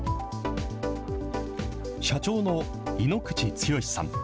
社長の井口剛志さん。